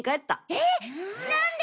えっなんで！？